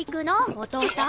お父さん。